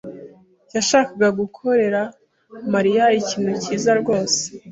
yashakaga gukorera Mariya ikintu cyiza rwose.